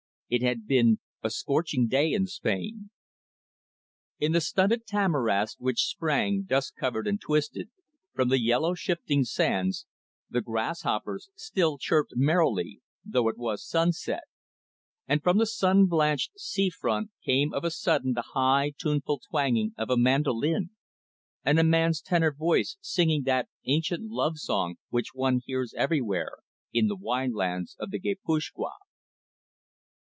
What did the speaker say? It had been a scorching day in Spain. In the stunted tamarisks which sprang, dust covered and twisted, from the yellow, shifting sands the grasshoppers still chirped merrily, though it was sunset, and from the sun blanched sea front came of a sudden the high, tuneful twanging of a mandoline, and a man's tenor voice singing that ancient love song which one hears everywhere in the wine lands of the Guipuzcoa.